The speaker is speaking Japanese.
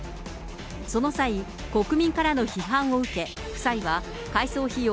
その際、国民からの批判を受け、夫妻は改装費用